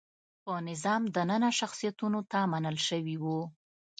په نظام دننه شخصیتونو ته منل شوي وو.